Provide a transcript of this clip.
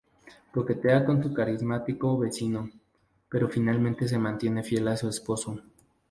Coquetea con su carismático vecino, pero finalmente se mantiene fiel a su esposo.